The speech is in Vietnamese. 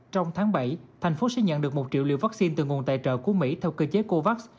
trong tháng bảy thành phố sẽ nhận được một triệu liều vaccine từ nguồn tài trợ của mỹ theo cơ chế covax